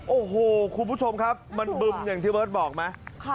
โอ้โหคุณผู้ชมครับมันบึมอย่างที่เบิร์ตบอกไหม